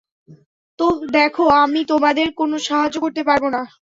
তো, দেখো, আমি তোমাদের কোনো সাহায্য করতে পারব না।